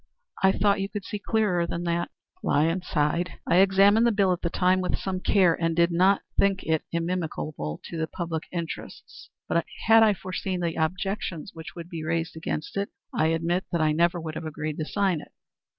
I thought you could see clearer than that." Lyons sighed. "I examined the bill at the time with some care, and did not think it inimical to the best public interest; but had I foreseen the objections which would be raised against it, I admit that I never would have agreed to sign it."